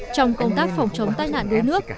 trong công tác phòng chống tai nạn đuối nước